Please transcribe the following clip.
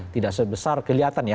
tidak sebesar kelihatan ya